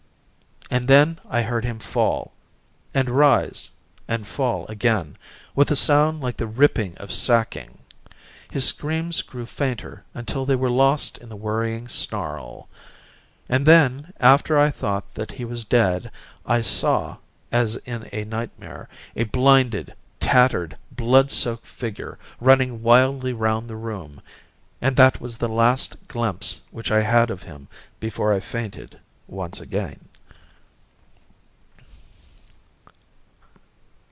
And then I heard him fall, and rise, and fall again, with a sound like the ripping of sacking. His screams grew fainter until they were lost in the worrying snarl. And then, after I thought that he was dead, I saw, as in a nightmare, a blinded, tattered, blood soaked figure running wildly round the room and that was the last glimpse which I had of him before I fainted once again.